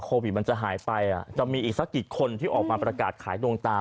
โควิดมันจะหายไปจะมีอีกสักกี่คนที่ออกมาประกาศขายดวงตา